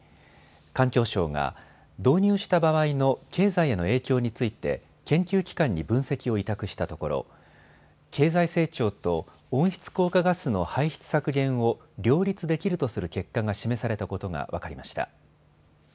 環境省が導入した場合の経済への影響について研究機関に分析を委託したところ経済成長と温室効果ガスの排出削減を両立できるとする結果が示されたことが分かりました。